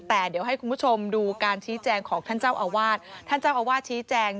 แต่เดี๋ยวให้คุณผู้ชมดูการชี้แจงของท่านเจ้าอาวาสท่านเจ้าอาวาสชี้แจง